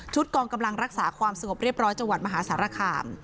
กองกำลังรักษาความสงบเรียบร้อยจังหวัดมหาสารคาม